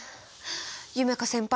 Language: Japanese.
夢叶先輩